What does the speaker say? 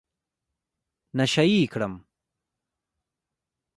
نشه يي کړم.